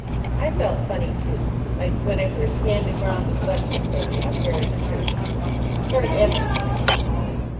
I felt funny, too. Like when I first handed round the collection plate in our parish church. Sort of empty feeling.